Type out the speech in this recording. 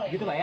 gitu pak ya